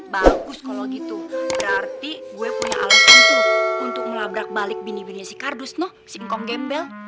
bagus kalau gitu berarti gue punya alasan tuh untuk melabrak balik bini bininya si kardus noh si ngok gembel